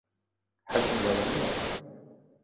حەزم لەوە نییە.